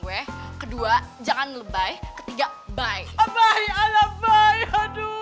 berdua jangan lebay ke tiga widespread